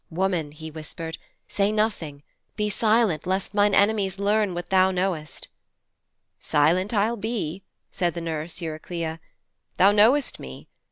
'Woman,' he whispered. 'Say nothing. Be silent, lest mine enemies learn what thou knowest now.' 'Silent I'll be,' said the nurse Eurycleia. 'Thou knowest me.